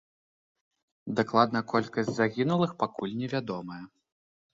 Дакладная колькасць загінулых пакуль невядомая.